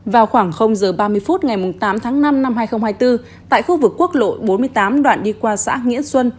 vào khoảng h ba mươi phút ngày tám tháng năm năm hai nghìn hai mươi bốn tại khu vực quốc lộ bốn mươi tám đoạn đi qua xã nghĩa xuân